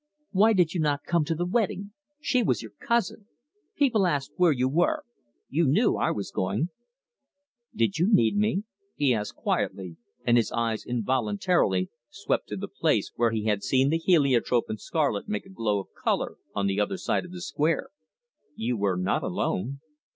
"Why did you not come to the wedding? She was your cousin. People asked where you were. You knew I was going." "Did you need me?" he asked quietly, and his eyes involuntarily swept to the place where he had seen the heliotrope and scarlet make a glow of colour on the other side of the square. "You were not alone."